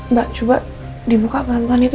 mbak coba dibuka pelan pelan itu